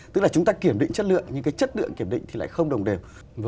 tức là chúng ta kiểm định chất lượng nhưng cái chất lượng kiểm định thì lại không đồng đều